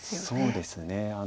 そうですね。